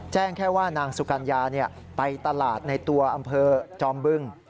แจ้งแค่ว่านางสุกัญญาไปตลาดในตัวอำเภอจอมบึง